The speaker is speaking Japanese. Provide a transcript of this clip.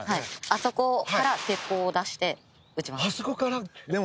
あそこから鉄砲を出して撃ちます。